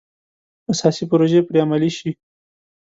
اساسي پروژې پرې عملي شي.